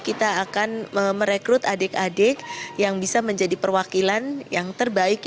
kita akan merekrut adik adik yang bisa menjadi perwakilan yang terbaik